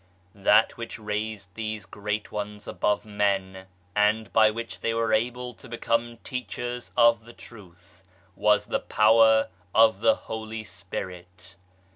That which raised these great ones above men, and by which they were able to become Teachers of the Truth, was the Power of the Holy Spirit.